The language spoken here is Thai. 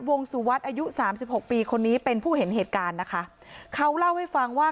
สุวัสดิ์อายุสามสิบหกปีคนนี้เป็นผู้เห็นเหตุการณ์นะคะเขาเล่าให้ฟังว่า